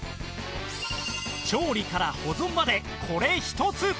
調理から保存までこれ１つ！